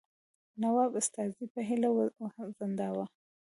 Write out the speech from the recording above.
نواب استازی په هیله وځنډاوه.